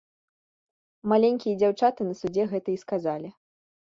Маленькія дзяўчаты на судзе гэта і сказалі.